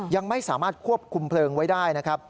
ยังไม่สามารถควบคุมเพลิงไว้ได้นะครับ